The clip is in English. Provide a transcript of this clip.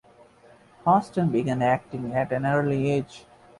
Houston began acting at an early age.